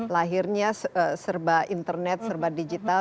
lahirnya serba internet serba digital